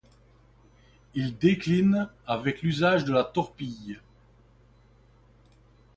Il décline avec l'usage de la torpille.